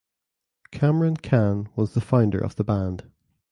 Kamran Khan was the founder of the band.